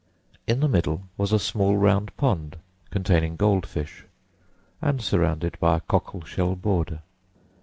In the middle was a small round pond containing gold fish and surrounded by a cockle shell border.